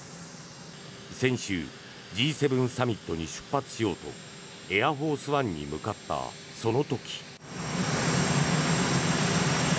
先週、Ｇ７サミットに出発しようとエアフォース・ワンに向かったその時。